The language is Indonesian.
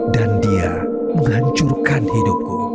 dan dia menghancurkan hidupku